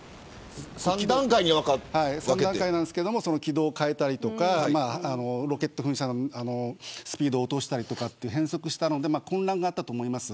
３段階で軌道を変えたりとかロケット噴射のスピードを落としたりとか変速したので混乱があったと思います。